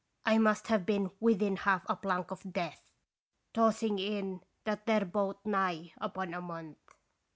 I must have been within half a plank of death, tossing in that there boat nigh upon a month.